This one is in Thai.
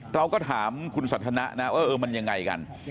เราก็ถามคุณสันทนะว่าเออมันยังไงกัน